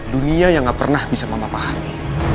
dunia yang gak pernah bisa mama pahami